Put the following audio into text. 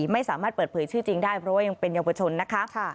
ไม่สามารถเปิดเผยชื่อจริงได้เพราะว่ายังเป็นเยาวชนนะคะ